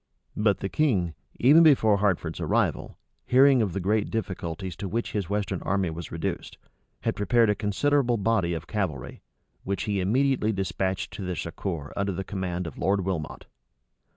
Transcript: But the king, even before Hertford's arrival, hearing of the great difficulties to which his western army was reduced, had prepared a considerable body of cavalry, which he immediately despatched to their succor under the command of Lord Wilmot.